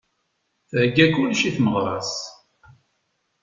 Thegga kullec i tmeɣra-s.